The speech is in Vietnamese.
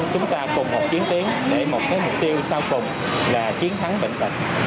chúng ta cùng một chiến tiến để một mục tiêu sau cùng là chiến thắng bệnh tật